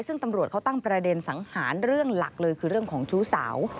ซึ่งตำรวจเขาตั้งประเด็นสังหารเรื่องหลักเลยคือเรื่องของชู้สาว